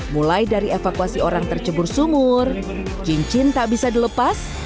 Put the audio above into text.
mulai dari evakuasi orang tercebur sumur cincin tak bisa dilepas